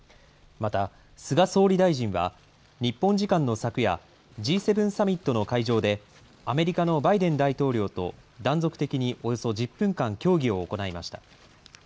また菅総理大臣は、日本時間の昨夜、Ｇ７サミットの会場で、アメリカのバイデン大統領と断続的におよそ１０分間、協議を行いました。